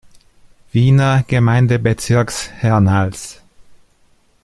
Wiener Gemeindebezirks Hernals.